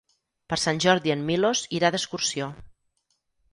Per Sant Jordi en Milos irà d'excursió.